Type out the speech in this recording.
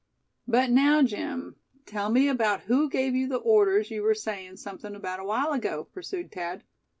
"But now, Jim; tell me about who gave you the orders you were saying something about a while ago?" pursued Thad.